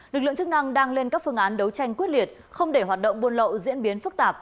lực lượng chức năng đang lên các phương án đấu tranh quyết liệt không để hoạt động buôn lậu diễn biến phức tạp